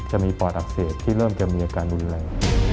ปอดอักเสบที่เริ่มจะมีอาการรุนแรง